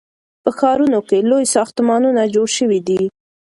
په ښارونو کې لوی ساختمانونه جوړ شوي دي.